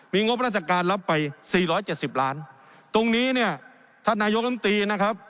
มีงบราชการรับไปสี่ร้อยเจ็ดสิบล้านตรงนี้เนี่ยท่านนายกรรมตรีนะครับ